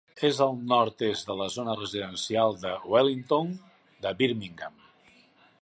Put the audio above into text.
És al nord-est de la zona residencial de Hueytown, de Birmingham.